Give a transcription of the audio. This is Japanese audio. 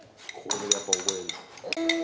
ありがとうございます。